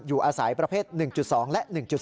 อยู่อาศัยประเภท๑๒และ๑๒